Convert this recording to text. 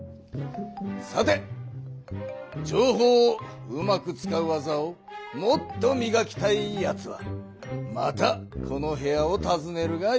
さて情報をうまく使う技をもっとみがきたいやつはまたこの部屋をたずねるがよい。